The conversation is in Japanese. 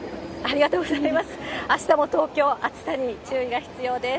あしたも東京、暑さに注意が必要です。